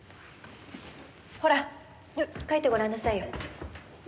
ほら描いてごらんなさいよ。